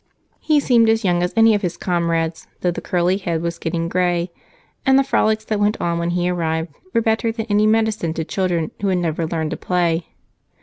He seemed as young as any of his comrades, though the curly head was getting gray, and the frolics that went on when he arrived were better than any medicine to children who had never learned to play.